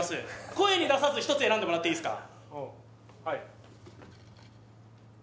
声に出さず１つ選んでもらっていいですか？